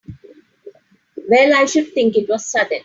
Well I should think it was sudden!